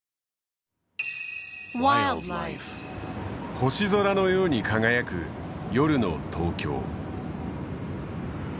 星空のように輝く夜の東京。